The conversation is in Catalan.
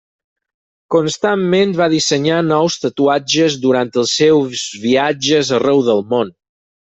Constantment va dissenyar nous tatuatges durant els seus viatges arreu del món.